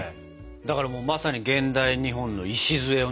だからもうまさに現代日本の礎を築いた人ですね。